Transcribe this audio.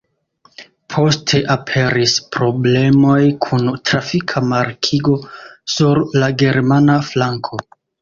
Poste aperis problemoj kun trafika markigo sur la germana flanko.